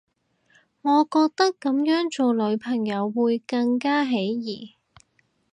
我覺得噉樣做女朋友會更加起疑